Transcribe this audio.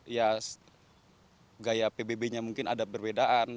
ya gaya pbb nya mungkin ada perbedaan